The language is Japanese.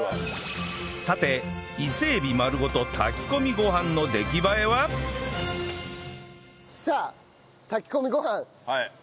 さて伊勢エビ丸ごと炊き込みご飯の出来栄えは？さあ炊き込みご飯できました。